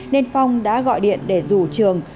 nên phong đã gọi điện để rủ trường